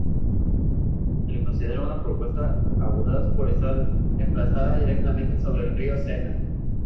Se le considera una propuesta audaz por estar emplazada directamente sobre el río Sena.